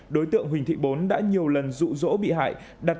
đối tượng huỳnh thị bốn đã nhiều lần rụ rỗ bị hại đặt